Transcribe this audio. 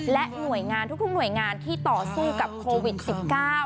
และหน่วยงานทุกหน่วยงานที่ต่อสู้กับโควิด๑๙